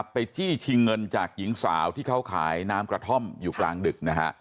จี้ชิงเงินจากหญิงสาวที่เขาขายน้ำกระท่อมอยู่กลางดึกนะฮะ